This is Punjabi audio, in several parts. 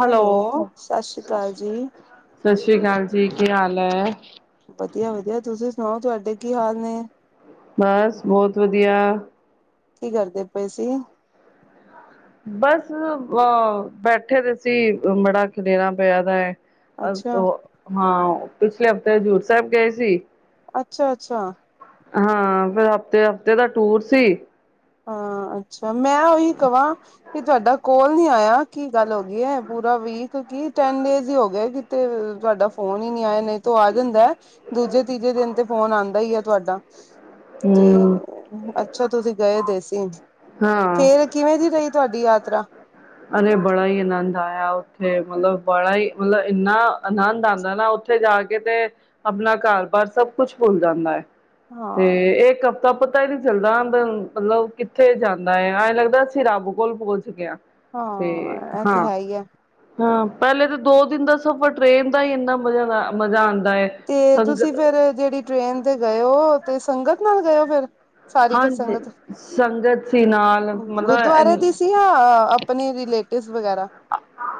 ਹੈਲੋ। ਸਤਿ ਸ੍ਰੀ ਅਕਾਲ ਜੀ ਸਸ ਸ਼੍ਰੀ ਕਾਲ ਜੀ ਕੀ ਹਾਲ ਐ। ਵਧੀਆ ਵਧੀਆ ਤੁਸੀਂ ਸੁਨਾਓ ਤੁਹਾਡੇ ਕੀ ਹਾਲ ਨੇ। ਬਸ ਬੋਤ ਵਧੀਆ। ਕੀ ਕਰਦੇ ਪਏ ਸੀ? ਬਸ ਅਹ ਬੈਠੇ ਦੇ ਸੀ, ਬੜਾ ਖਲੇਰਾ ਪਿਆ ਦਾ ਐ। ਅ ਅੱਛਾ ਓ ਹਾਂ, ਪਿਛਲੇ ਹਫ਼ਤੇ ਹਜ਼ੂਰ ਸਾਹਿਬ ਗਏ ਸੀ। ਅੱਛਾ-ਅੱਛਾ। ਹਾਂ ਫੇਰ ਹਫ਼ਤੇ-ਹਫ਼ਤੇ ਦਾ ਟੂਰ ਸੀ। ਹਾਂ, ਅੱਛਾ ਮੈਂ ਉਹੀ ਕਵਾਂ, ਕਿ ਤੁਹਾਡਾ ਕੋਲ ਨੀ ਆਇਆ ਕੀ ਗੱਲ ਹੋ ਗਈ ਐ ਪੂਰੀ ਰਾ ਵੀਕ ਕੀ, ਟੈਨ ਡੇਜ ਈ ਹੋ ਗਏ ਕਿਤੇ ਤੁਹਾਡਾ ਫੋਨ ਈ ਨੀ ਆਇਆ ਨਹੀਂ ਤੋ ਆ ਜਾਂਦਾ ਦੁ ਦੂਜੇ ਤੀਜੇ ਦਿਨ ਤੇ ਫੋਨ ਆਂਦਾ ਈ ਐ ਤੁਹਾਡਾ, ਹਮ ਤੇ ਅੱਛਾ ਤੁਸੀਂ ਗਏ ਦੇ ਸੀ। ਹਾਂ ਫੇਰ ਕਿਵੇਂ ਦੀ ਰਹੀ ਤੁਹਾਡੀ ਯਾਤਰਾ? ਅਰੇ ਬੜਾ ਈ ਆਨੰਦ ਆਇਆ। [unintelligible] ਉੱਥੇ ਮਲਬ ਬੜਾ ਈ ਮਲਬ ਇੰਨਾ ਆਨੰਦ ਆਂਦਾ ਨਾ ਉੱਥੇ ਜਾ ਕੇ ਤੇ, ਆਪਣਾ ਕਾਰ ਬਾਰ ਸਭ ਕੁੱਛ ਭੁੱਲ ਜਾਂਦਾ ਐ। ਤੇ ਹਾਂ ਇੱਕ ਹਫ਼ਤਾ ਪਤ ਪਤਾ ਈ ਨਈ ਚੱਲਦਾ [unintelligible] ਮਲਬ ਕਿੱਥੇ ਜਾਂਦਾ ਏ, ਐਂ ਲੱਗਦਾ ਅਸੀਂ ਰੱਬ ਕੋਲ ਪੋਂਚ ਗਏ ਆਂ। ਹਾਂ ਇਹ ਤੇ ਹੈ ਈ ਐ। ਹਾਂ, ਪਹਿਲੇ ਤੇ ਦੋ ਦਿਨ ਦਾ ਸਫ਼ਰ ਟ੍ਰੇਨ ਦਾ ਈ ਇੰਨਾ ਮਜ਼ੇਡਰ ਮਜ਼ਾ ਆਨ ਤੇ ਤੁਸੀਂ ਫੇਰ ਜਿਹੜੀ ਟ੍ਰੇਨ ਤੇ ਗਏ ਓ, ਤੇ ਸੰਗਤ ਨਾਲ ਗਏ ਓ ਫੇਰ? ਸਾਰੀ ਕੁ ਹਾਂਜੀ ਸੰਗਤ ਸੰਗਤ ਸੀ ਨਾਲ ਗੁਰਦੁਆਰੇ ਦੀ ਮਤਲਬ ਸੀ ਹਾਂ ਆਪਨੀ ਰਿਲੇ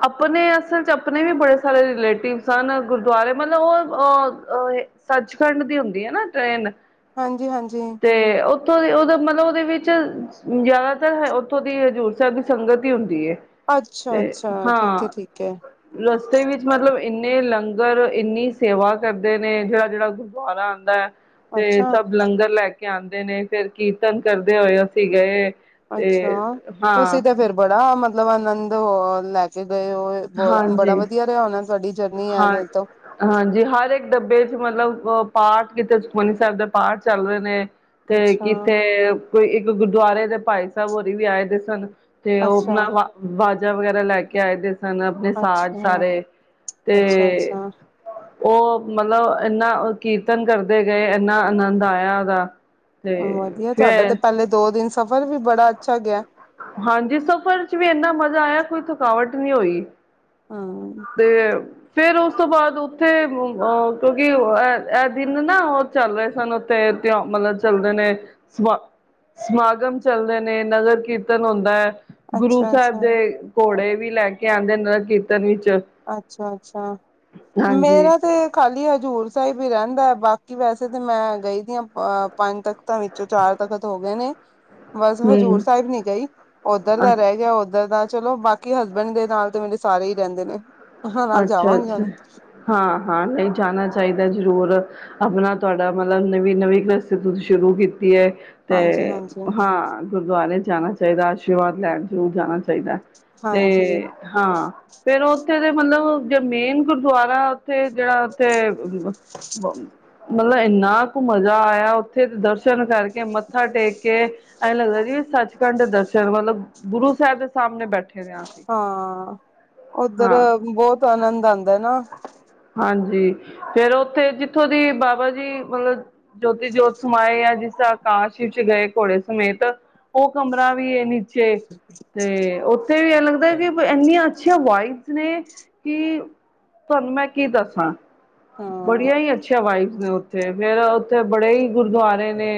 ਆਪਨੇ ਅਸਲ ਚ ਆਪਨੇ ਵੀ ਬੜੇ ਸਾਰੇ ਰੀਲੇ ਸਨ ਗੁਰਦੁਆਰੇ ਮਤਲਬ ਉਹ, ਉਹ ਅਹ ਸੱਚਖੰਡ ਦੀ ਹੁੰਦੀ ਐ ਨਾ ਟ੍ਰਰੇਨ। ਹਾਂਜੀ ਹਾਂਜੀ ਤੇ ਉੱਥੋਂ ਦੇ ਉਹਦਾ ਮਤਲਬ ਉਹਦੇ ਵਿੱਚ ਜਿਆਦਾਤਰ ਉੱਥੋਂ ਦੀ ਹਜ਼ੂਰ ਸਾਹਿਬ ਦੀ ਸੰਗਤ ਹੀ ਹੁੰਦੀ ਏ। ਅੱਛਾ ਤੇ ਅੱਛਾ ਠੀਕ ਹੈ ਹਾਂ ਠੀਕ ਹੈ ਰਸਤੇ ਵਿੱਚ ਮਤਲਬ ਇੰਨੇ ਲੰਗ ਲੰਗਰ ਇੰਨੀ ਸੇਵਾ ਕਰਦੇ ਨੇ ਜਿਹੜਾ-ਜਿਹੜਾ ਗੁਰਦੁਆਰਾ ਆਂਦਾ ਐ ਤੇ ਅੱਛਾ ਸਭ ਲੰਗਰ ਲੈ ਕਿਆਂਦੇ ਨੇ ਫਿਰ ਕੀਰਤਨ ਕਰਦੇ ਹੋਏ ਅਸੀਂ ਗਏ। ਤੇ ਅੱਛਾ, ਹਾਂ ਤੁਸੀਂ ਤੇ ਫਿਰ ਬੜਾ ਮਤਲਬ ਆਨੰਦ ਲੈ ਕੇ ਗਏ ਓਏ [unintelligible] ਬੜਾ ਹਾਂਜੀ ਵਧੀਆ ਰਿਹਾ ਉਹਨਾਂ ਤੁਹਾਡੀ ਜਰਨੀ ਹਾਂ [unintelligible] ਤੋਂ। ਹਾਂਜੀ ਹਰ ਇੱਕ ਡੱਬੇ ਚ ਮਤਲਬ ਪਾਠ, ਕਿਤੇ ਸੁਖਮਨੀ ਸਾਹਿਬ ਦੇ ਪਾਠ ਚੱਲ ਰਹੇ ਨੇ। ਤੇ ਅੱਛਾ ਕਿੱਥੇ ਕੋਈ ਇੱਕ ਗੁਰਦੁਆਰੇ ਦੇ ਭਾਈ ਸਾਹਿਬ ਹੋਰੀ ਵੀ ਆਏ ਦੇ ਸਨ ਤੇ ਉਹ ਅੱਛਾ ਆਪਣਾ ਵਾ ਵਾਜਾ ਵਗੈਰਾ ਲੈ ਕੇ ਆਏ ਦੇ ਸਨ ਅਪਨੇ ਸਾਜ ਅੱਛਾ ਸਾਰੇ ਤੇ ਅੱਛਾ ਅੱਛਾ ਉਹ ਮਤਲਬ ਏਨਾ ਕੀਰਤਨ ਕਰਦੇ ਗਏ, ਏਨਾ ਆਨੰਦ ਆਇਆ ਉਹਦਾ। ਤੇ ਵਧੀਆ ਤੁਹਾਡਾ ਤਾਂ ਫੇਰ ਪਹਿਲੇ ਦੋ ਦਿਨ ਸਫ਼ਰ ਵੀ ਬੜਾ ਅੱਛਾ ਗਿਆ। ਹਾਂਜੀ, ਸਫ਼ਰ ਚ ਵੀ ਏਨਾ ਮਜ਼ਾ ਆਇਆ ਕੋਈ ਥਕਾਵਟ ਨਹੀਂ ਹੋਈ। ਹਮ ਤੇ ਫੇਰ ਉਸ ਤੋਂ ਬਾਅਦ ਉੱਥੇ ਅ ਕਿਉਂਕਿ ਐ, ਐ ਦਿਨ ਨਾ ਉਹ ਚੱਲ ਰਹੇ ਸਨ ਉੱਥੇ [unintelligible] ਮਤਲਬ ਚੱਲਦੇ ਨੇ ਸਮਾ ਸਮਾਗਮ ਚੱਲਦੇ ਨੇ, ਨਗਰ ਕੀਰਤ ਕੀਰਤਨ ਹੁੰਂਦਾ ਐ ਗੁਰੂ ਅੱਛਾ ਸਾਹਿਬ ਅੱਛਾ ਦੇ ਘੋੜੇ ਵੀ ਲੈ ਕੇ ਆਂਦੇ ਨਗਰ ਕੀਰਤਨ ਚ। ਅੱਛਾ-ਅੱਛਾ, ਮੇਰਾ ਤੇ ਖਾਲੀ ਹਜ਼ੂਰ ਸਾਹਿਬ ਹੀ ਰਹਿੰਦਾ ਬਾਕੀ ਵੈਸੇ ਤਾਂ ਮੈਂ ਗਈ ਦੀ ਆਂ ਅ ਪੰਜ ਤਖ਼ਤਾਂ ਵਿੱਚੋਂ ਚਾਰ ਤਖ਼ਤ ਹੋ ਗ ਨੇ ਬਸ ਹਜ਼ੂਰ ਹਮ ਸਾਹਿਬ ਨੀ ਗਈ, ਉੱਧਰ ਦਾ ਅੱਛਾ ਰਹਿ ਗਿਆ ਉੱਧਰ ਦਾ ਚਲੋ ਬਾਕੀ ਹਸਬੈਂਡ ਦੇ ਨਾਲ ਤੇ ਮੇਰੇ ਸਾਰੇ ਹੀ ਰਹਿੰਦੇ ਨੇ। ਉਹਨਾਂ ਨਾਲ ਜਾਵਾਂਗੇ ਅੱਛਾ-ਅੱਛਾ, ਹੁਣ ਹਾਂ-ਹਾਂ ਨਹੀਂ ਜਾਣਾ ਚਾਹੀਦਾ ਜੀ। ਜ਼ਰੂਰ ਅਪਨਾ ਤੁਹਾਡਾ ਮਤਲਬ ਨਵੀਂ-ਨਵੀਂ [unintelligible] ਤੁਸੀ ਸ਼ੁਰੂ ਕੀ ਹੁੰਦੀ ਏ ਤੇ ਹਾਂਜੀ ਹਾਂਜੀ ਹਾਂ ਗੁਰਦੁਆਰੇ ਜਾਨਾ ਚਾਹੀਦਾ ਆਸ਼ੀਰਵਾਦ ਲੈਨ, ਜ਼ਰੂਰ ਜਾਨਾ ਚਾਹੀਦਾ ਹਾਂਜੀ ਤੇ ਹਾਂ ਫੇਰ ਓਥੇ ਮਤਲਬ ਜੋ ਮੇਨ ਗੁਰਦੁਆਰਾ ਓਥੇ ਜਿਹੜਾ ਓਥੇ ਮਤਲਬ ਇੰਨਾ ਕੁ ਮਜ਼ਾ ਆਇਆ ਉੱਥੇ ਦਰਸ਼ਨ ਕਰਕੇ ਮੱਥਾ ਟੇਕ ਕੇ ਐਂਜ਼ ਲੱਗਦਾ ਜਿਵੇਂ ਸੱਚਖੰਡ ਦਰਸ਼ਨ ਮਤਲਬ ਗੁਰੂ ਸਾਹਿਬ ਦੇ ਸਾਹਮਨੇ ਬੈਠੇ ਦੇ ਹਾਂ ਅਸੀਂ ਹਾਂ, ਉੱਧਰ ਹਾਂ ਬੋਤ ਆਨੰਦ ਆਂਦਾ ਨਾ। ਹਾਂਜੀ ਫੇਰ ਉੱਥੇ ਜਿੱਥੋਂ ਦੀ ਬਾਬਾ ਜੀ ਮਤਲਬ ਜੋਤੀ ਜੋਤ ਸਮਾਏ ਆ ਜਿਸ ਤਰ੍ਹਾਂ ਆਕਾਸ਼ ਵਿੱਚ ਗਏ ਘੋੜੇ ਸਮੇਤ ਉਹ ਕਮਰਾ ਵੀ ਏ ਨੀਚੇ। ਤੇ ਉੱਥੇ ਵੀ ਇਹ ਲੱਗਦਾ ਜਿਵੇਂ ਬਈ ਇੰਨੀਆਂ ਅੱਛੀਆਂ ਵਾਇਬਸ ਨੇ ਕਿ ਤੁਹਾਨੂੰ ਮੈਂ ਕੀ ਦੱਸਾਂ ਬੜੀਆਂ ਹਾਂ ਹੀ ਅੱਛੀਆਂ ਵਾਇਬਸ ਨੇ। ਫੇਰ, ਫੇਰ ਉੱਥੇ ਬੜੇ ਹੀ ਗੁਰਦੁਆਰੇ ਨੇ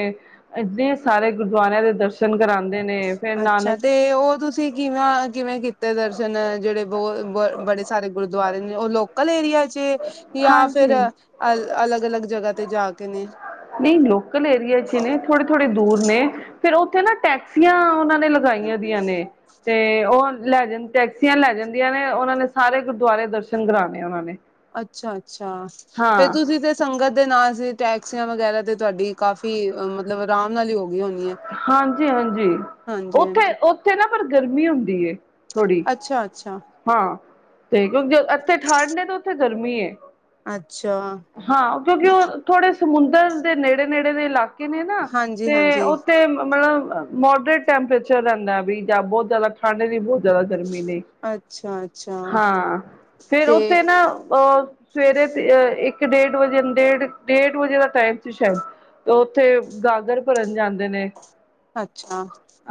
ਏਨੇ ਸਾਰੇ ਗੁਰਦੁਆਰਿਆਂ ਦੇ ਦਰਸ਼ਨ ਜਾਂਦੇ ਨੇ ਫੇਰ ਅੱਛਾ! ਨਾਨਕ ਤੇ ਉਹ ਤੁਸੀਂ ਕਿਵੇਂ-ਕਿਵੇਂ ਕੀਤੇ ਦਰਸ਼ਨ ਜਿਹੜੇ ਬਹੁ ਬ ਬੜੇ ਸਾਰੇ ਗੁਰਦੁਆਰੇ ਨੇ ਉਹ ਲੋਕਲ ਏਰੀਆ ਯਾ ਫੇਰ ਹਾਂਜੀ ਅ ਅਲੱਗ-ਅਲੱਗ ਜਗ੍ਹਾ ਤੇ ਜਾ ਕੇ ਨੇ? ਨਹੀਂ ਲੋਕਲ ਏਰੀਏ ਚ ਈ ਨੇ, ਥੋੜੇ-ਥੋੜੇ ਦੂਰ ਨੇ, ਫੇਰ ਉੱਥੇ ਨਾ ਟੈਕਸੀਆਂ ਉਹਨਾਂ ਨੇ ਲਗਾਈਆਂ ਦੀਆਂ ਨੇ ਤੇ ਉਹ ਲੈ ਜਾਨ, ਟੈਕਸੀਆਂ ਲੈ ਜਾਂਦੀਆਂ ਨੇ ਉਹਨਾਂ ਨੇ ਸਾਰੇ ਗੁਰਦੁਆਰੇ ਦਰਸ਼ਨ ਕਰਾਨੇ ਉਹਨਾਂ ਨੇ। ਅੱਛਾ-ਅੱਛਾ, ਫੇਰ ਹਾਂ ਤੁਸੀਂ ਤੇ ਸੰਗਤ ਦੇ ਨਾਲ ਸੀ ਟੈਕਸੀਆਂ ਵਗੈਰਾ ਤੇ ਤੁਹਾਡੀ ਕਾਫੀ, ਮਤਲਬ ਆਰਾਮ ਨਾਲ ਈ ਹੋ- ਗਈ ਹੋਣੀ ਹੈ ਹਾਂਜੀ-ਹਾਂਜੀ, ਹਾਂਜੀ ਉੱਥੇ, ਉੱਥੇ ਨਾ ਪਰ ਗਰਮੀ ਹੁੰਦੀ ਏ। ਥੋੜ੍ਹੀ ਅੱਛਾ-ਅੱਛਾ। ਹਾਂ, ਤੇ ਕਿਉਂਕਿ ਏਥੇ ਠੰਡ ਏ ਤੇ ਉੱਥੇ ਗਰਮੀ ਏ। ਅੱਛਾ ਹਾਂ ਕਿਉਂਕਿ ਉਹ ਥੋੜੇ ਸਮੁੰਦਰ ਦੇ ਨੇੜੇ-ਨੇੜੇ ਦੇ ਇਲਾਕ ਕੇ ਨੇ ਨਾ ਹਾਂਜੀ ਤੇ ਹਾਂਜੀ ਉੱਥੇ ਮਤਲਬ ਮੋਡਰੇਟ ਟੈਂਪਰੇਚਰ ਰਹਿੰਦਾ ਬਈ ਜਾਂ ਬੋਤ ਜ਼ਿਆਦਾ ਠੰਡ ਨੀ, ਬੋਤ ਜ਼ਿਆਦਾ ਗਰਮੀ ਨੀ। ਅੱਛਾ ਅੱਛਾ ਹਾਂ! ਫੇਰ ਤੇ ਉਥੇ ਨਾ ਅ ਸਵੇਰੇ ਤੇ ਅ ਇੱਕ-ਡੇਢ ਵਜੇ ਡੇਢ-ਡੇਢ ਵਜੇ ਦਾ ਟਾਈਮ ਸੀ ਸ਼ਾਇਦ। ਤੇ ਉੱਥੇ ਗਾਗਰ ਭਰਨ ਜਾਂਦੇ ਨੇ। ਅੱਛਾ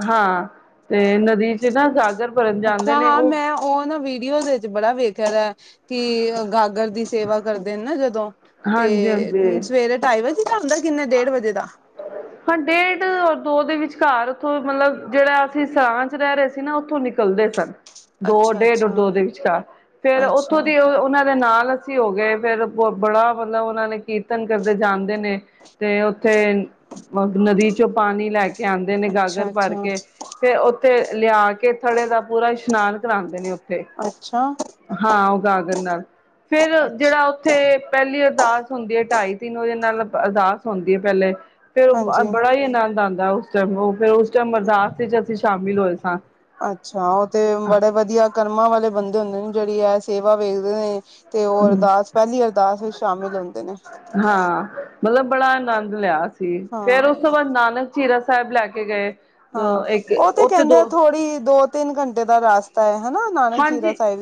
ਹਾਂ, ਤੇ ਨਦੀ ਚ ਨਾ ਗਾਗਰ ਭਰਨ ਜਾਂਦੇ ਅੱਛਾ! ਨੇ ਹਾਂ ਉਹ ਮੈਂ ਉਹ ਵੀਡੀਓ ਦੇ ਵਿੱਚ ਬੜਾ ਵੇਖਿਆ ਦਾ ਕਿ ਗਾਗਰ ਦੀ ਸੇਵਾ ਕਰਦੇ ਨੇ ਨਾ ਜਦ ਹਾਂਜੀ ਤੇ ਹਾਂਜੀ ਸਵੇਰੇ ਢਾਈ ਵਜੇ ਦਾ ਹੁੰਦਾ? ਕਿੰਨੇ ਡੇਢ ਵਜੇ ਦਾ! ਹਾਂ ਡੇਢ ਔਰ ਦੋ ਦੇ ਵਿਚਕਾਰ ਉੱਥੋਂ ਮਤਲਬ ਜਿਹੜਾ ਅਸੀਂ ਸਰਾਂ ਚ ਰਹਿ ਰਹੇ ਸੀ ਨਾ ਉੱਥੋਂ ਨਿਕਲਦੇ ਸਨ। ਦੋ ਅੱਛਾ ਡੇਢ ਔਰ ਅੱਛਾ ਦੋ ਦੇ ਵਿਚਕਾਰ ਫੇਰ ਉੱਥੋਂ ਅੱਛਾ ਦੀ ਉਹਨਾਂ ਦੇ ਨਾਲ ਹੋ ਗਏ। ਫੇਰ ਬੜਾ ਮਤਲਬ ਉਹਨਾਂ ਨੇ ਕੀਰਤਨ ਕਰਦੇ ਜਾਂਦੇ ਨੇ ਤੇ ਓ ਥੇ ਨਦੀ ਚੋਂ ਪਾਣੀ ਲੈ ਕੇ ਆਉਂਦੇ ਨੇ ਗਾਗਰ ਅੱਛਾ ਭਰ ਅੱਛਾ ਕੇ ਤੇ ਉੱਥੇ ਲਿਆ ਕੇ ਥੜੇ ਦਾ ਪੂਰਾ ਇਸ਼ਨਾਨ ਕਰਾਉਂਦੇ ਨੇ ਓ ਅੱਛਾ! ਹਾਂ ਉ ਗਾਗਣ ਨਾਲ ਫੇਰ ਅੱਛਾ ਜਿਹੜਾ ਉੱਥੇ ਪਹਿਲੀ ਅਰਦਾਸ ਹੁੰਦੀ ਐ-ਢਾਈ ਤਿੰਨ ਵਜੇ ਨਾਲ ਅਰਦਾਸ ਹੁੰਦੀ ਪੈਲੇ ਫੇਰ ਹਾਂਜੀ ਬੜਾ ਈ ਆਨੰਦ ਆਂਦਾ ਉਸ ਟਾਈਮ ਉਹ ਫਿਰ ਉਸ ਟਾਈਮ ਅਰਦਾਸ ਵਿੱਚ ਅਸੀਂ ਸ਼ਾਮਿਲ ਹੋਏ ਸਾਂ। ਅੱਛਾ! ਉਹ ਤੇ ਬੜੇ ਵਧੀਆ ਕਰਮਾਂ ਵਾਲੇ ਬੰਦੇ ਹੁੰਦੇ ਨੇ ਜਿਹੜੀ ਐ ਸੇਵਾ ਵੇਖਦੇ ਨੇ। ਤੇ ਉਹ ਅਰਦਾਸ ਪਹਿਲੀ ਅਰਦਾਸ ਵਿਚ ਸ਼ਾਮਿਲ ਹੁੰਦੇ ਨੇ। ਹਾਂ ਮਤਲਬ ਬੜਾ ਆਨੰਦ ਲਿਆ ਸੀ ਹਾਂ ਫੇਰ ਉਸ ਤੋਂ ਬਾਅਦ ਨਾਨਕ ਝੀਰਾ ਸਾਹਿਬ ਲੈ ਕੇ ਗਏ। ਹਾ ਅ ਇੱਕ ਉਹ ਤੇ ਉੱਥੇ ਕਹਿੰਦੇ ਦੋ ਆ ਥੋੜ੍ਹੀ ਦੋ-ਤਿੰਨ ਘੰਟੇ ਦਾ ਰਾਸਤਾ ਐ। ਨਾਨਕ ਝੀਰਾ ਹਾਂਜੀ ਸਾਹਿਬ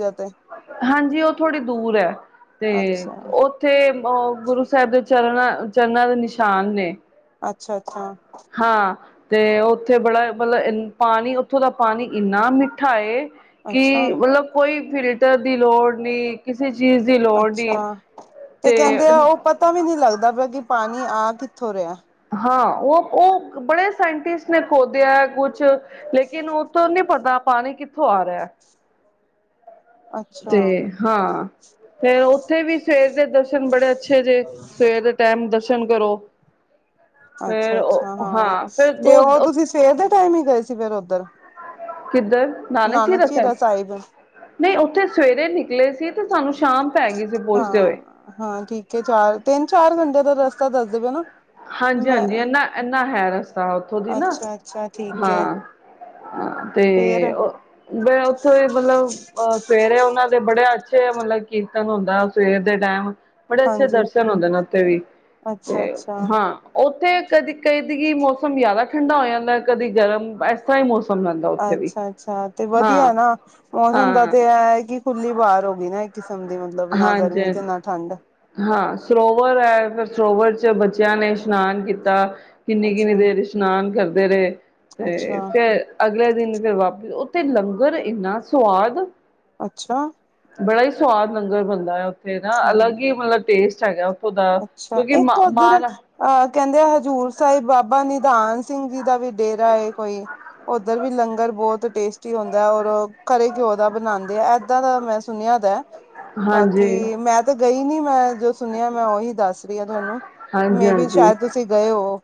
ਹਾਂਜੀ, ਉਹ ਥੋੜ੍ਹੀ ਦੂਰ ਐ ਤੇ ਅੱਛਾ ਉੱਥੇ ਉਹ ਗੁਰੂ ਸਾਹਿਬ ਦੇ ਚਰਨਾਂ -ਚਰਨਾਂ ਦੇ ਨਿਸ਼ਾਨ ਨੇ। ਅੱਛਾ! ਅੱਛਾ! ਅਤੇ ਉੱਥੇ ਬੜਾ ਮਤਲਬ ਐਨ ਪਾਣੀ ਉੱਥੋਂ ਦਾ ਪਾਣੀ ਇੰਨਾ ਮਿੱਠਾ ਐ ਅੱਛਾ ਕਿ ਮਤਲਬ ਕੋਈ ਫਿਲਟਰ ਦੀ ਲੋੜ ਨੀ ਕਿਸੇ ਚੀਜ਼ ਦੀ ਲੋੜ ਨੀ ਅੱਛਾ! ਤੇ ਕਹਿੰਦੇ ਆ ਉਹ ਪਤਾ ਵੀ ਨੀ ਲੱਗਦਾ ਪਿਆ ਕਿ ਪਾਣੀ ਆ ਕਿੱਥੋਂ ਰਿਹਾ। ਹਾਂ! ਉਹ-ਉਹ ਬੜੇ ਸਾਇੰਟਿਸਟ ਨੇ ਖੋਦਿਆ ਕੁਛ ਲੇਕਿਨ ਉਥੋਂ ਨੀ ਪਤਾ ਪਾਣੀ ਕਿੱਥੋਂ ਆ ਰਿਹਾ? ਅੱਛਾ ਤੇ ਹਾਂ ਫੇਰ ਓ ਉੱਥੇ ਵੀ ਸਵੇਰ ਦੇ ਦਰਸ਼ਨ ਬੜੇ ਅੱਛੇ ਜੇਹੇ। ਸਵੇਰ ਦੇ ਟਾਈਮ ਦਰਸ਼ਨ ਕਰੋ। ਅੱਛਾ! ਫੇਰ ਅੱਛਾ! ਹਾਂ! ਫੇਰ ਤੇ ਦੋ ਉਹ ਤੁਸੀਂ ਸਵੇਰ ਦੇ ਟਾਈਮ ਈ ਗਏ ਸੀ ਫੇਰ ਉਧਰ? ਕਿੱਧਰ? ਨਾਨਕ ਝੀਰਾ ਸਾਹਿਬ! ਨਈ ਉੱਥੇ ਸਵੇਰੇ ਨਿਕਲੇ ਸੀ ਤੇ ਸਾਨੂੰ ਸ਼ਾਮ ਪੈ ਗਈ ਸੀ ਪਹੁੰਚਦੇ ਹੋਏ। ਹਾਂ, ਹਾਂ, ਠੀਕ ਐ ਚਾਰ, ਤਿੰਨ-ਚਾਰ ਘੰਟੇ ਦਾ ਰਸਤਾ ਦਸਦੇ ਪਏ ਨਾ। ਹਾਂਜੀ ਮੈਂ ਹਾਂਜੀ ਏਨਾ-ਏਨਾ ਹੈ ਰਸਤਾ ਉੱਥੋਂ ਦੀ ਨਾ ਅੱਛਾ ਅੱਛਾ ਠੀਕ ਹੈ ਹਾਂ ਤੇ ਫੇਰ ਉੱਥੋ ਮਤਲਬ ਅ ਸਵੇਰੇ ਉਹਨਾਂ ਬੜੇ ਅੱਛੇ ਮਤਲਬ ਕੀਰਤਨ ਹੁੰਦਾ ਸਵੇਰ ਦੇ ਟਾਈਮ ਬੜੇ ਅੱਛੇ ਹਾਂਜੀ ਦਰਸ਼ਨ ਹੁੰਦੇ ਨੇ ਉੱਥੇ ਵੀ ਅੱਛਾ ਤੇ ਅੱਛਾ ਹਾਂ ਉੱਥੇ ਕਦੀ ਕਈ ਦੀ ਕਿ ਮੌਸਮ ਜ਼ਿਆਦਾ ਠੰਡਾ ਹੋ ਜਾਂਦਾ ਕਦੇ ਗਰਮ ਇਸ ਤਰ੍ਹਾਂ ਈ ਮੌਸਮ ਰਹਿੰਦਾ ਉੱਥੇ ਵੀ ਅੱਛਾ ਅੱਛਾ ਤੇ ਹਾਂ ਵਧੀਆ ਨਾ ਮੌਸਮ ਦਾ ਹਾਂ ਤੇ ਐਹ ਕਿ ਖੁੱਲੀ ਬਾਰ ਹੋ ਗਈ ਨਾ ਕਿਸਮ ਦੀ ਮਤਲਬ ਨਾ ਗਰਮੀ ਹਾਂਜੀ ਤੇ ਨਾ ਠੰਡ ਹਾਂ ਸਰੋਵਰ ਐ ਫਿਰ ਸਰੋਵਰ ਚ ਬੱਚਿਆਂ ਨੇ ਇਸ਼ਨਾਨ ਕੀਤਾ ਕਿੰਨੀ ਕਿੰਨੀ ਅੱਛਾ ਦੇਰ ਇਸ਼ਨਾਨ ਕਰਦੇ ਰਹੇ ਤੇ ਅੱਛਾ ਫੇਰ ਅਗਲੇ ਦਿਨ ਫੇਰ ਵਾਪਿਸ ਤੇ ਲੰਗਰ ਇੰਨਾ ਸਵਾਦ ਅੱਛਾ ਬੜਾ ਈ ਸਵਾਦ ਲੰਗਰ ਬਣਦਾ ਐ ਉੱਥੇ ਨਾ ਹਾਂ ਅਲੱਗ ਈ ਟੇਸਟ ਹੈਗਾ ਉੱਥੋ ਦਾ ਅੱਛਾ ਕਿਉਂਕਿ ਮ ਇੱਕ ਉੱਧਰ ਮਾਂ ਨਾ ਅਹ ਕਹਿੰਦੇ ਆ ਹਜ਼ੂਰ ਸਾਹਿਬ ਬਾਬਾ ਨਿਧਾਨ ਸਿੰਘ ਜੀ ਦਾ ਵੀ ਡੇਰਾ ਐ ਕੋਈ ਓਧਰ ਵੀ ਲੰਗਰ ਬੋਤ ਟੇਸਟੀ ਹੁੰਦਾ ਐ ਔਰ ਖਰੇ ਘਿਓ ਦਾ ਬਣਾਦੇ ਐ ਏਦਾਂ ਦਾ ਮੈਂ ਸੁਣਿਆ ਦਾ ਹਾਂਜੀ ਬਾਕੀ ਮੈਂ ਤੇ ਗਈ ਨੀ ਮੈਂ ਜੋ ਸੁਣਿਆ ਮੈਂ ਉਹੀ ਦੱਸ ਦੱਸ ਰਹੀ ਆ ਤੁਹਾਨੂੰ, ਹਾਂਜੀ ਮੇ ਬੀ ਹਾਂਜੀ ਸ਼ਾਇਦ ਤੁਸੀਂ ਗਏ ਹੋ।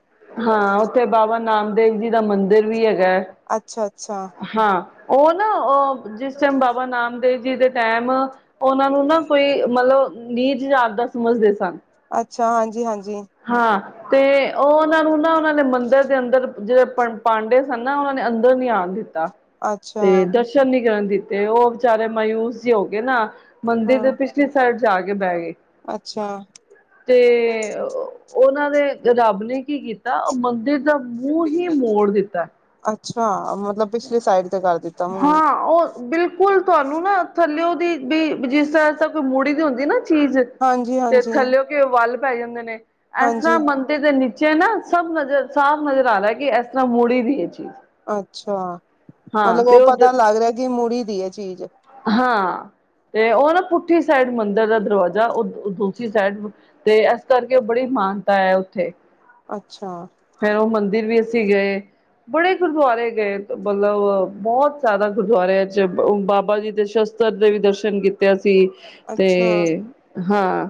ਹਾਂ ਉੱਥੇ ਬਾਬਾ ਨਾਮਦੇਵ ਜੀ ਦਾ ਮੰਦਿਰ ਵੀ ਹੈਗੈ, ਅੱਛਾ ਅੱਛਾ ਹਾਂ। ਉਹ ਨਾ ਅ ਜਿਸ ਟੈਮ ਬਾਬਾ ਨਾਮਦੇਵ ਜੀ ਦੇ ਟੈਮ ਉਹਨਾਂ ਨੂੰ ਨਾ ਕੋਈ ਮਤਲਬ ਨੀਜ ਜਾਤ ਦਾ ਸਮਝਦੇ ਸਨ। ਅੱਛਾ, ਹਾਂਜੀ, ਹਾਂਜੀ। ਹਾਂ। ਤੇ ਉਹ ਉਹਨਾਂ ਨੂੰ ਨਾ ਉਹਨਾਂ ਨੇ ਮੰਦਿਰ ਦੇ ਅੰਦਰ ਜਿਹੜੇ ਪਾਂਡੇ ਸਨ ਨਾ ਉਹਨਾਂ ਨੇ ਅੰਦਰ ਨੀ ਆਣ ਦਿੱਤੇ। ਅੱਛਾ ਤੇ ਦਰਸ਼ਨ ਨੀ ਕਰਨ ਦਿੱਤੇ ਉਹ ਵਿਚਾਰੇ ਮਾਯੂਸ ਜੇ ਹੋ ਕੇ ਨਾ ਮੰਦਿਰ ਦੇ ਹਾਂ ਪਿਛਲੀ ਸਾਈਡ ਜਾ ਕੇ ਬਹਿ ਗਏ। ਅੱਛਾ। ਤੇ ਉਹਨਾਂ ਦੇ ਰੱਬ ਨੇ ਕੀ ਕੀਤਾ ਮੰਦਿਰ ਦਾ ਮੂੰਹ ਹੀ ਮੋੜ ਦਿੱਤਾ। ਛਾ ਮਤਲਬ ਪਿਛਲੀ ਸਾਈਡ ਤੇ ਕਰ ਦਿੱਤਾ ਮੂੰ ਹਾਂ ਉਹ ਬਿਲਕੁਲ ਤੁਹਾਨੂੰ ਨਾ ਥੱਲਿਓ ਦੀ ਵੀ ਜਿਸ ਤਰ੍ਹਾਂ ਤ੍ਹਾਂ ਕੋਈ ਮੁੂੜੀ ਦੀ ਹੁੰਦੀ ਨਾ ਚੀਜ਼ ਹਾਂਜੀ ਤੇ ਹਾਂਜੀ ਥੱਲਿਓ ਕੇ ਵੱਲ ਪੈ ਜਾਂਦੇ ਨੇ ਇਸ ਹਾਂਜੀ ਤਰ੍ਹਾਂ ਮੰਦਿਰ ਦੇ ਨੀਚੇ ਨਾ। ਸਭ ਨਜ਼ਰ ਸਾਫ਼ ਨਜ਼ਰ ਆ ਰਿਹਾ ਕਿ ਇਸ ਤਰ੍ਹਾਂ ਮੁੋੜੀ ਦੀ ਇਹ ਚੀਜ਼। ਅੱਛਾ, ਹਾਂ ਮਤਲਬ ਤੇ ਉਹ ਪਤਾ ਲੱਗ ਰਿਹਾ ਕਿ ਮੁੜੀ ਦੀ ਹੈ ਚੀਜ਼। ਉਠੀ ਸਾਈਡ ਮੰਦਿਰ ਦਾ ਦਰਵਾਜ਼ਾ ਉਹ ਦੂਸਰੀ ਸਾਈਡ ਤੇ ਇਸ ਕਰਕੇ ਬੜੀ ਮਾਨਤਾ ਐ ਉੱਥੇ ਅੱਛਾ ਫੇਰ ਉਹ ਮੰਦਿਰ ਵੀ ਅਸੀਂ ਗਏ। ਬੜੇ ਗੁਰਦੁਆਰੇ ਗਏ ਮਤਲਬ ਬਹੁਤ ਜ਼ਿਆਦਾ ਗੁਰਦੁਆਰਿਆਂ ਚ ਬਾਬ ਬਾਬਾ ਜੀ ਦੇ ਸ਼ਸਤਰ ਦੇ ਵੀ ਦਰਸ਼ਨ ਕੀਤੇ ਅੱਸੀ ਤੇ, ਅੱਛਾ ਹਾਂ।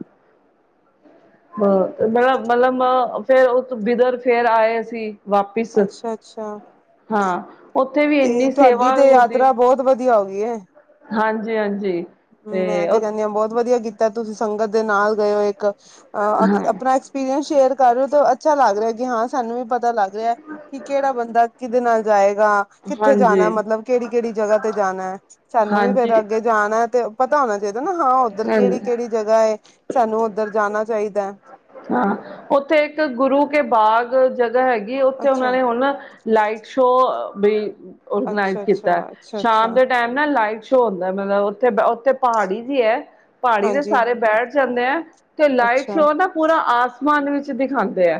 ਹਾਂ, ਤੇ ਮਤਬ-ਮਤਲਬ ਫੇਰ ਉਹ ਬਿਦਰ ਫੇਰ ਆਏ ਸੀ। ਵਾਪਿਸ, ਅੱਛਾ ਅੱਛਾ ਹਾਂ। ਉੱਥੇ ਵੀ ਤੇ ਇੰਨੀ ਤੁਹਾਡੀ ਸੇਵਾ ਤੇ ਹੁੰਦੀ ਯਾਤਰਾ ਬਹੁਤ ਵਧੀਆ ਹੋ ਗਈ ਏ। ਹਾਂਜੀ, ਹਾਂਜੀ, ਤੇ ਮੈਂ ਕਹਿੰਦੀ ਹਾਂ ਬਹੁਤ ਵਧੀਆ ਕੀਤਾ ਤੁਸੀਂ ਸੰਗਤ ਦੇ ਨਾਲ ਗਏ ਹੋ ਇੱਕ, ਅ ਆਪਣਾ ਐਕਸਪੀਰੀਅੰਸ ਸ਼ੇਅਰ ਕਰ ਰਹੇ ਹੋ ਤਾਂ ਅੱਛਾ ਲੱਗ ਰਿਹਾ। ਹਾਂ, ਸਾਨੂੰ ਵੀ ਪਤਾ ਲੱਗ ਰਿਹਾ ਕਿ ਕਿਹੜਾ ਬੰਦਾ ਕਿਦੇ ਨਾਲ ਜਾਏ ਗਾ, ਕਿੱਥੇ ਹਾਂਜੀ ਜਾਣਾ ਮਤਲਬ ਕਿਹੜੀ ਕਿਹੜੀ ਜਗ੍ਹਾ ਤੇ ਜਾਣੈ, ਸਾਨੂੰ ਵੀ ਫੇਰ ਹਾਂਜੀ ਅੱਗੇ ਜਾਣੈ ਪਤਾ ਹੋਣਾ ਚਾਹੀਦਾ ਨਾ ਹਾਂ ਉੱਧਰ ਕਿਹੜੀ ਹਾਂਜੀ ਕਿਹੜੀ ਜਗ੍ਹਾ ਏ ਸਾਨੂੰ ਉੱਧਰ ਜਾਣਾ ਚਾਹੀਦੈ। ਹਾਂ ਉੱਥੇ ਇੱਕ ਗੁਰੂ ਕੇ ਬਾਗ ਜਗ ਜ ਹੈਗੀ ਉੱਥੇ ਉਹਨਾਂ ਅੱਛਾ ਨੇ ਹੁਣ ਨਾ ਲਾਈਟ ਸ਼ੋ ਵੀ ਔਰਗਨਾਈਜ਼ ਅੱਛਾ ਅੱਛਾ ਕੀਤਾ ਅੱਛਾ ਸ਼ਾਮ ਅੱਛਾ ਦੇ ਟਾਈਮ ਨਾ ਲਾਈਟ ਛੋਂ ਹੁੰਦਾ ਮਤਲਬ ਉੱਥੇ ਉੱਥੇ ਪਹਾੜੀ ਜੀ ਹੈ। ਪਹਾੜੀ ਦੇ ਹਾਂਜੀ ਸਾਰੇ ਬੈਠ ਜਾਂਣੈ ਏ, ਤੇ ਲਾਈਟ ਅੱਛਾ ਸ਼ੋ ਨਾ ਪੂਰਾ ਆਸਮਾਨ ਵਿੱਚ ਦਿਖਾਂਦੇ ਐ।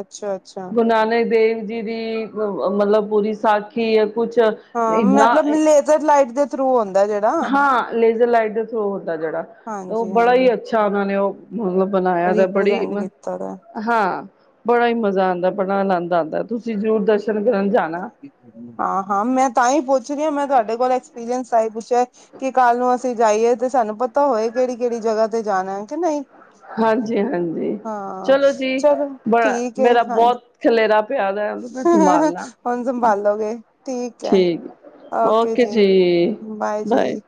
ਅੱਛਾ ਅੱਛਾ ਗੁਰੂ ਨਾਨਕ ਦੇਵ ਜੀ ਦੀ ਮਤਲਬ ਪੂਰੀ ਸਾਖੀ ਕੁਛ ਹਾਂ ਇੰਨਾ ਮਤਲਬ ਲੇਜ਼ਰ ਲਾਈਟ ਦੇ ਥਰੂ ਹੁੰਦਾ ਜਿਹੜਾ ਹਾਂ, ਲੇਜ਼ਰ ਲਾਈਟ ਦੇ ਥਰੂ ਹੁੰਦਾ ਜਿਹੜਾ ਉਹ ਹਾਂਜੀ ਬੜਾ ਹਾਂਜੀ ਹੀ ਅੱਛਾ ਉਹਨਾਂ ਨੇ ਉਹ ਮਤਲਬ ਬਣਾਇਆ ਤਾਂ ਬੜੀ, ਰੀਪ੍ਰਜੈਂਟ ਕੀਤਾ ਦਾ ਹਾਂ। ਬੜਾ ਹੀ ਮਜ਼ਾ ਆਂਦਾ ਬੜਾ ਆਨੰਦ ਆਂਦਾ ਤੁਸੀਂ ਜ਼ਰੂਰ ਦਰ ਹਾਂ, ਹਾਂ, ਮੈਂ ਤਾਂ ਹੀ ਪੁੱਛ ਰੀ ਆਂ, ਮੈਂ ਤੁਹਾਡੇ ਕੋਲ ਐਕਸਪੀਰੀੰਸ ਤਾਂਹੀ ਪੁੱਛਿਆ ਕਿ ਕੱਲ੍ਹ ਨੂੰ ਅਸੀਂ ਜਾਈਏ ਤੇ ਸਾਨੂੰ ਪਤਾ ਹੋਏ ਕਿਹੜੀ ਕਿਹੜੀ ਜਗ੍ਹਾ ਤੇ ਜਾਣਾ ਐ ਕਿ ਨਹੀਂ ਹਾਂਜੀ ਹਾਂਜੀ ਹਾਂ, ਚਲੋ ਜੀ ਚਲੋ ਬੜਾ ਠੀਕ ਐ ਮੇਰਾ ਹਾਂ ਬਹੁਤ ਖਲੇਰਾ ਪਿਆ ਦਾ ਮੈਂ ਸੰਭਾਲਣਾ ਹੁਣ ਸੰਭਾਲੋਗੇ, ਠੀਕ ਐ। ਓਕੇ ਜੀ, ਬਾਏ ਜੀ।